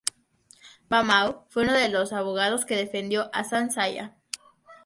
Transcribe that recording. Ba Maw fue uno de los abogados que defendió a San Saya.